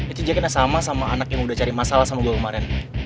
itu jacknya sama sama anak yang udah cari masalah sama gue kemarin